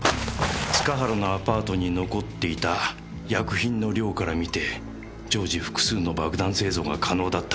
塚原のアパートに残っていた薬品の量から見て常時複数の爆弾製造が可能だったはずです。